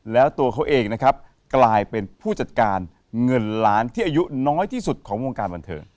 แล้วตัวเขาเองนะครับกลายเป็นผู้จัดการเงินล้านที่อายุน้อยที่สุดของวงการบันเทิง